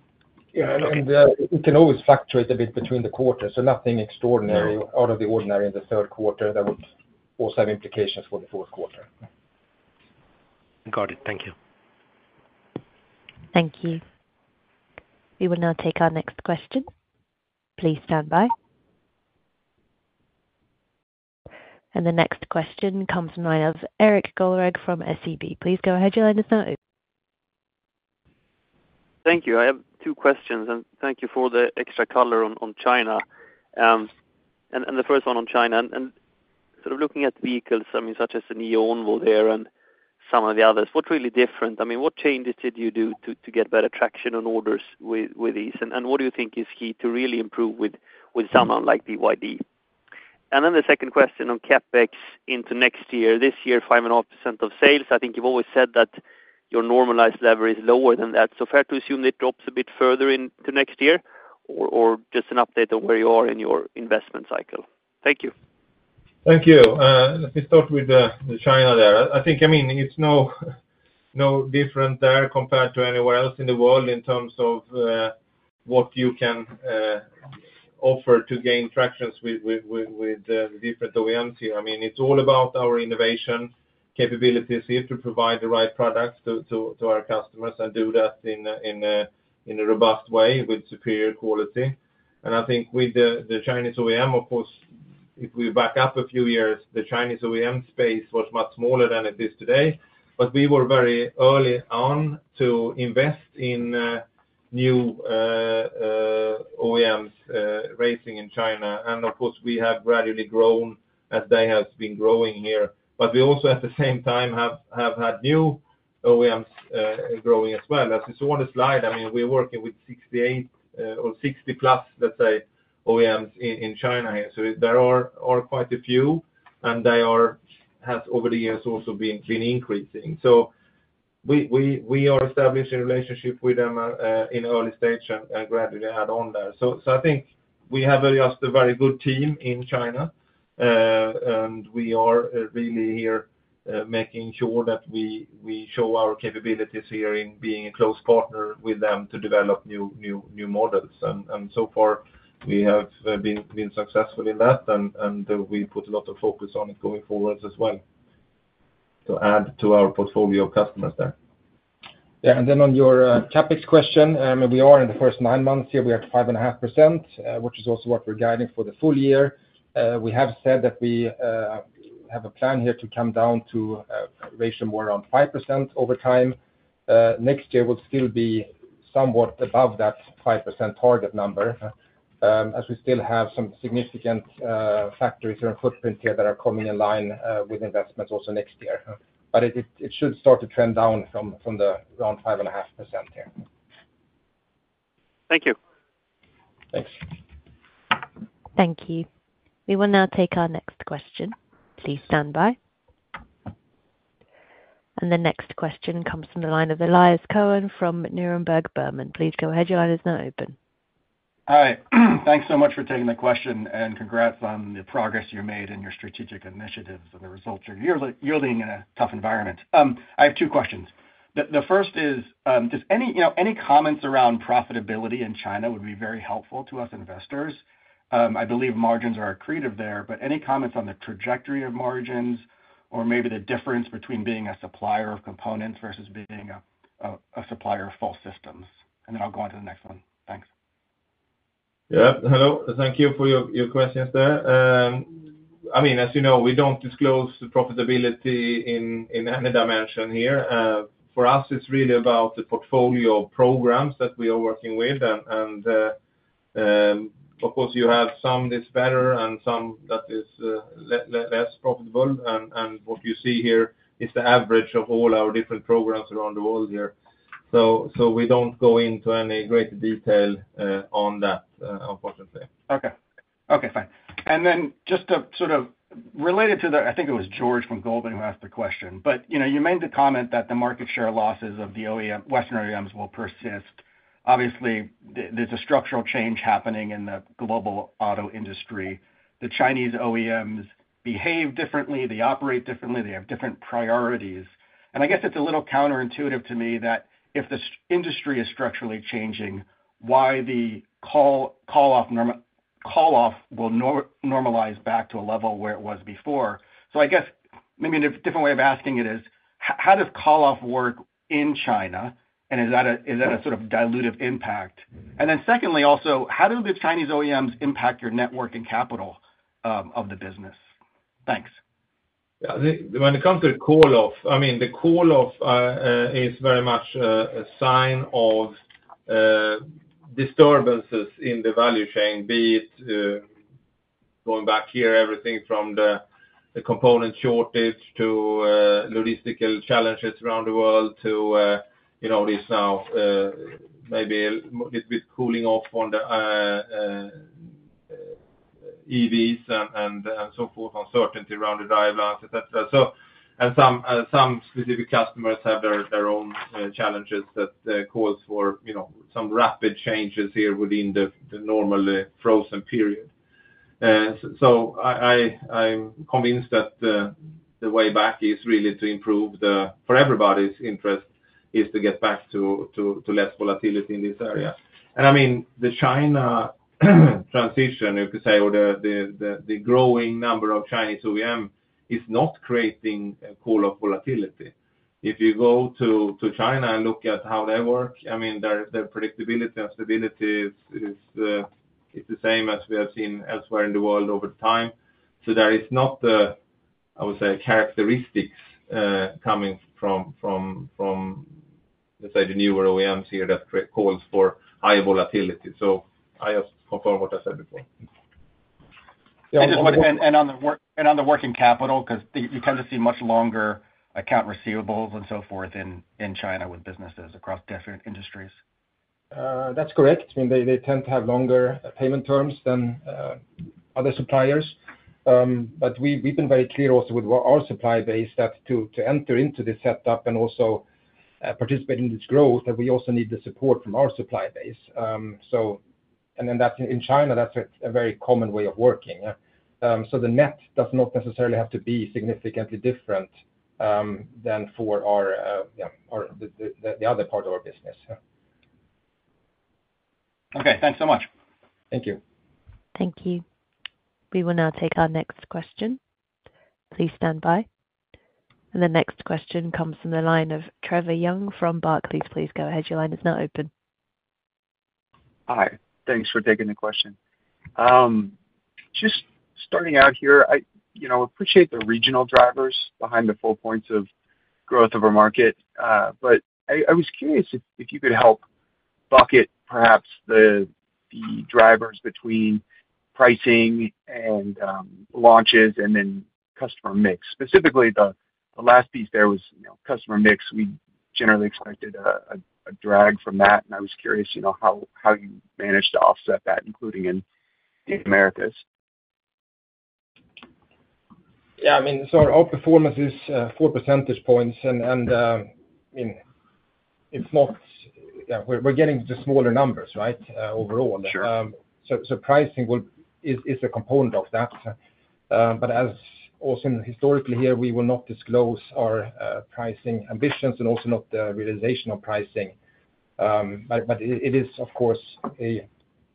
Yeah, and, it can always fluctuate a bit between the quarters, so nothing extraordinary- No. out of the ordinary in the third quarter that would also have implications for the fourth quarter. Got it. Thank you. Thank you. We will now take our next question. Please stand by. And the next question comes from the line of Erik Högberg from SEB. Please go ahead, your line is now open. Thank you. I have two questions, and thank you for the extra color on China. And the first one on China, and sort of looking at vehicles, I mean, such as the NIO volume there and some of the others, what's really different? I mean, what changes did you do to get better traction on orders with these? And what do you think is key to really improve with someone like BYD? And then the second question on CapEx into next year. This year, 5.5% of sales. I think you've always said that your normalized level is lower than that. So fair to assume it drops a bit further into next year? Or just an update on where you are in your investment cycle. Thank you. Thank you. Let me start with the China there. I think, I mean, it's no different there compared to anywhere else in the world in terms of what you can offer to gain traction with the different OEMs here. I mean, it's all about our innovation capabilities here to provide the right products to our customers and do that in a robust way with superior quality. And I think with the Chinese OEM, of course, if we back up a few years, the Chinese OEM space was much smaller than it is today. But we were very early on to invest in new OEMs rising in China. And of course, we have gradually grown as they have been growing here. But we also, at the same time, have had new OEMs growing as well. As you saw on the slide, I mean, we're working with sixty-eight or sixty-plus, let's say, OEMs in China here. So there are quite a few and they have over the years also been consistently increasing. So we are establishing relationships with them in early stage and gradually add on there. So I think we have just a very good team in China. And we are really here making sure that we show our capabilities here in being a close partner with them to develop new models. So far, we have been successful in that, and we put a lot of focus on it going forward as well, to add to our portfolio of customers there. Yeah, and then on your CapEx question, we are in the first nine months, here we are at 5.5%, which is also what we're guiding for the full year. We have said that we have a plan here to come down to a ratio more around 5% over time. Next year will still be somewhat above that 5% target number, as we still have some significant factories or footprint here that are coming in line with investments also next year. But it should start to trend down from the around 5.5% here. Thank you. Thanks. Thank you. We will now take our next question. Please stand by. And the next question comes from the line of Elias Cohen from Neuberger Berman. Please go ahead, your line is now open. Hi. Thanks so much for taking the question, and congrats on the progress you made in your strategic initiatives and the results you're yielding in a tough environment. I have two questions. The first is, just any, you know, any comments around profitability in China would be very helpful to us investors. I believe margins are accretive there, but any comments on the trajectory of margins, or maybe the difference between being a supplier of components versus being a supplier of full systems? And then I'll go on to the next one. Thanks. Yeah. Hello, thank you for your questions there. I mean, as you know, we don't disclose the profitability in any dimension here. For us, it's really about the portfolio of programs that we are working with. Of course, you have some that's better and some that is less profitable. And what you see here is the average of all our different programs around the world here. So we don't go into any great detail on that, unfortunately. Okay. Okay, fine. And then just to sort of... Related to the, I think it was George from Goldman who asked the question, but, you know, you made the comment that the market share losses of the OEM, Western OEMs will persist. Obviously, there's a structural change happening in the global auto industry. The Chinese OEMs behave differently, they operate differently, they have different priorities. And I guess it's a little counterintuitive to me that if the industry is structurally changing, why the call-off will normalize back to a level where it was before? So I guess, maybe a different way of asking it is, how does call-off work in China, and is that a sort of dilutive impact? And then secondly, also, how do the Chinese OEMs impact your network and capital of the business? Thanks. Yeah, when it comes to the call-off, I mean, the call-off is very much a sign of disturbances in the value chain, be it going back here, everything from the component shortage to logistical challenges around the world to, you know, this now maybe a little bit cooling off on the EVs and so forth, uncertainty around the drivelines, et cetera. So and some specific customers have their own challenges that cause for, you know, some rapid changes here within the normal frozen period. So I'm convinced that the way back is really to improve the, for everybody's interest, is to get back to less volatility in this area. I mean, the China transition, you could say, or the growing number of Chinese OEM is not creating a call-off volatility. If you go to China and look at how they work, I mean, their predictability and stability is the same as we have seen elsewhere in the world over time. So there is not the, I would say, characteristics coming from, let's say, the newer OEMs here that create calls for higher volatility. So I just confirm what I said before. On the working capital, 'cause you tend to see much longer accounts receivable and so forth in China with businesses across different industries. That's correct. I mean, they tend to have longer payment terms than other suppliers, but we've been very clear also with our supply base that to enter into this setup and also participate in this growth, that we also need the support from our supply base, so and then that's in China. That's a very common way of working, yeah. So the net does not necessarily have to be significantly different than for our, yeah, our, the other part of our business, yeah. Okay, thanks so much. Thank you. Thank you. We will now take our next question. Please stand by, and the next question comes from the line of Trevor Young from Barclays. Please go ahead, your line is now open. Hi, thanks for taking the question. Just starting out here, I, you know, appreciate the regional drivers behind the four points of growth over market. But I was curious if you could help bucket perhaps the drivers between pricing and launches and then customer mix. Specifically, the last piece there was, you know, customer mix. Generally expected a drag from that, and I was curious, you know, how you managed to offset that, including in Americas? Yeah, I mean, so our outperformance is four percentage points, and I mean, it's not. Yeah, we're getting to smaller numbers, right? Overall. Sure. Pricing is a component of that. Also, as historically here, we will not disclose our pricing ambitions and also not the realization of pricing. It is, of course, a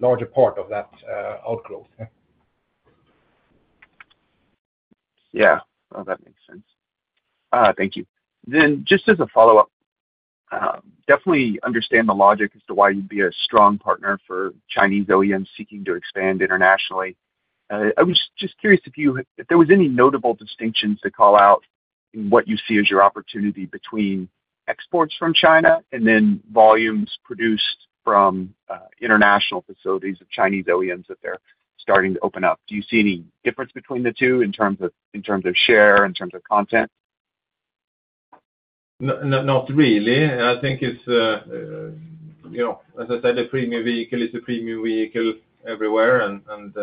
larger part of that outgrowth. Yeah. Well, that makes sense. Thank you. Then just as a follow-up, definitely understand the logic as to why you'd be a strong partner for Chinese OEMs seeking to expand internationally. I was just curious if you, if there was any notable distinctions to call out in what you see as your opportunity between exports from China and then volumes produced from international facilities of Chinese OEMs that they're starting to open up. Do you see any difference between the two in terms of share, in terms of content? Not really. I think it's, you know, as I said, a premium vehicle is a premium vehicle everywhere, and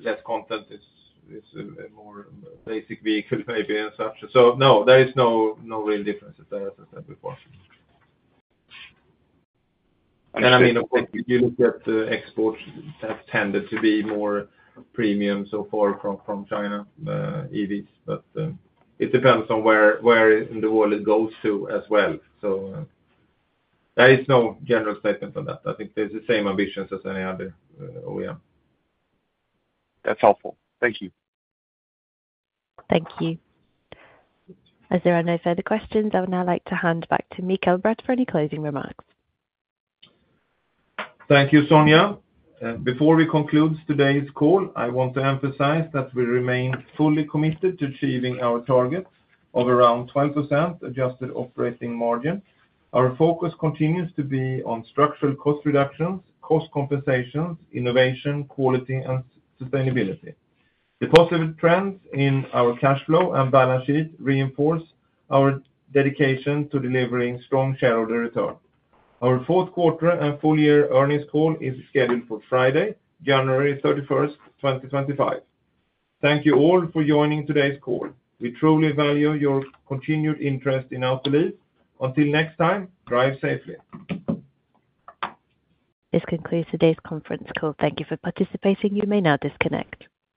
less content is a more basic vehicle maybe as such. So no, there is no real difference, as I said before. I mean, of course, you look at the exports have tended to be more premium so far from China EVs, but it depends on where in the world it goes to as well. So there is no general statement on that. I think there's the same ambitions as any other OEM. That's helpful. Thank you. Thank you. As there are no further questions, I would now like to hand back to Mikael Bratt for any closing remarks. Thank you, Sonia. Before we conclude today's call, I want to emphasize that we remain fully committed to achieving our targets of around 12% adjusted operating margin. Our focus continues to be on structural cost reductions, cost compensation, innovation, quality, and sustainability. The positive trends in our cash flow and balance sheet reinforce our dedication to delivering strong shareholder return. Our fourth quarter and full year earnings call is scheduled for Friday, January 31st 2025. Thank you all for joining today's call. We truly value your continued interest in our business. Until next time, drive safely. This concludes today's conference call. Thank you for participating. You may now disconnect.